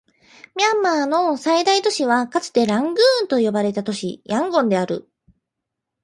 ミャンマーの最大都市はかつてラングーンと呼ばれた都市、ヤンゴンである